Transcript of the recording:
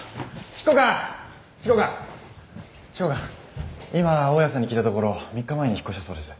執行官今大家さんに聞いたところ３日前に引っ越したそうです。